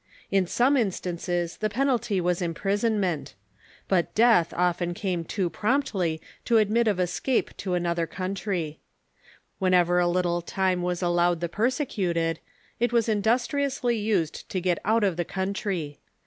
In some instances the nen American ^,, i Asylum for the alty was imprisonment; but death often came Oppressed ^^^ promptly to admit of escape to another coun try. ^^'henever a little time Avas alloAved the persecuted, it was industriously used to get out of the country.